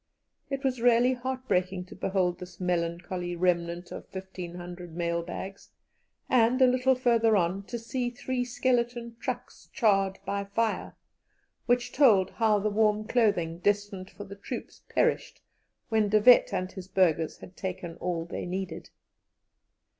It was really heart breaking to behold this melancholy remnant of 1,500 mail bags, and, a little farther on, to see three skeleton trucks charred by fire, which told how the warm clothing destined for the troops perished when De Wet and his burghers had taken all they needed.